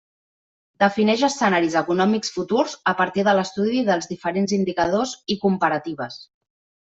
Defineix escenaris econòmics futurs a partir de l'estudi dels diferents indicadors i comparatives.